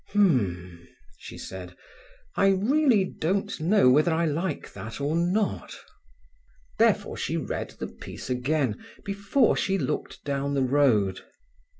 "H'm!" she said, "I really don't know whether I like that or not." Therefore she read the piece again before she looked down the road.